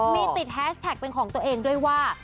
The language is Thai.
มีติดแฮชแท็กเป็นของตัวเองด้วยว่า